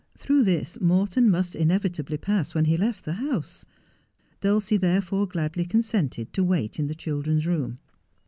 Through this Morton must inevitably pass when he left the house. Dulcie therefore gladly consented to wait in the children's room.